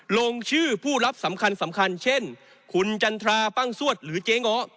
ลงชื่อผู้รับสำคัญสำคัญเช่นคุณจันทราปั้งซวดหรือเจ๊ง้อ